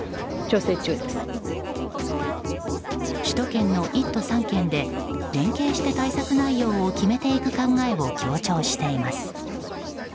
首都圏の１都３県で連携して対策内容を決めていく考えを強調しています。